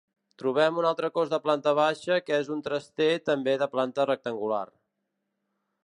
Trobem un altre cos de planta baixa que és un traster també de planta rectangular.